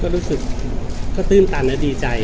รู้สึกก็ตื้นตันและดีใจ